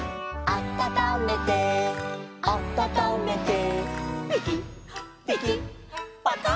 「あたためてあたためて」